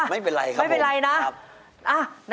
ไม่เป็นไรครับไม่เป็นไรนะ